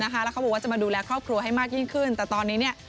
แล้วเขาบอกว่าจะมาดูแลครอบครัวให้มากยิ่งขึ้นแต่ตอนนี้เนี่ย